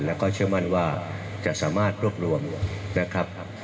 แล้วก็เชื่อมั่นว่าจะสามารถรวบรวมนะครับ